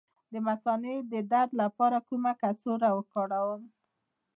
د مثانې د درد لپاره کومه کڅوړه وکاروم؟